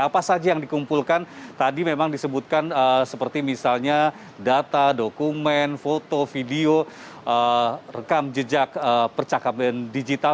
apa saja yang dikumpulkan tadi memang disebutkan seperti misalnya data dokumen foto video rekam jejak percakapan digital